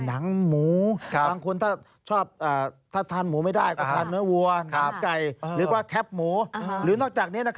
โอ้โหประโยชน์เยอะจริง